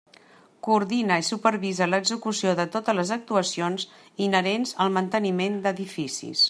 Coordina i supervisa l'execució de totes les actuacions inherents al manteniment d'edificis.